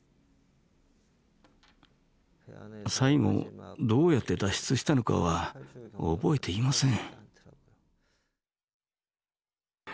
最後どうやって脱出したのかは覚えていません。